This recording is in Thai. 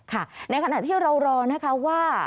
ค่ะในขณะที่เรารอว่า